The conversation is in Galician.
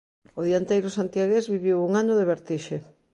O dianteiro santiagués viviu un ano de vertixe.